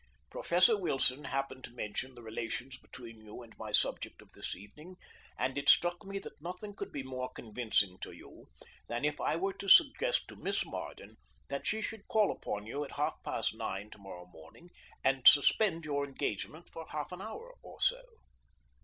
Professor Wilson happened to mention the relations between you and my subject of this evening, and it struck me that nothing could be more convincing to you than if I were to suggest to Miss Marden that she should call upon you at half past nine to morrow morning and suspend your engagement for half an hour or so.